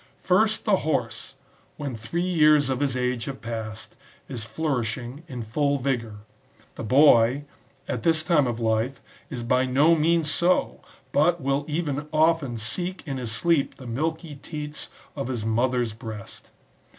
First, the horse, when three years of his age have passed, is flourishing in full vigour ; the boy, at this time of life, is by no means so^ but will even often seek in his sleep the milky teats of his mother^s breast.